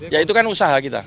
ya itu kan usaha kita